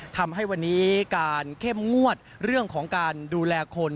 ทำให้วันนี้การเข้มงวดเรื่องของการดูแลคน